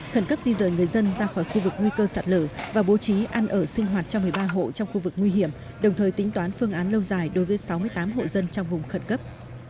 khẩn cấp di rời người dân ra khỏi khu vực nguy cơ sạt lở và bố trí ăn ở sinh hoạt cho một mươi ba hộ trong khu vực nguy hiểm đồng thời tính toán phương án lâu dài đối với sáu mươi tám hộ dân trong vùng khẩn cấp